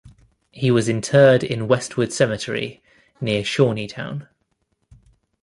He was interred in Westwood Cemetery, near Shawneetown.